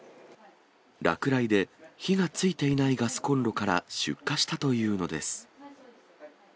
落雷で火がついていないガスコンロから、出火したというのです。